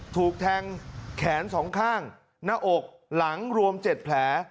ถูกแทงแขน๒ข้างหน้าอกหลังรวม๗แผล